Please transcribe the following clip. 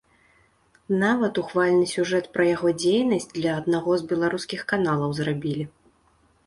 Нават ухвальны сюжэт пра яго дзейнасць для аднаго з беларускіх каналаў зрабілі.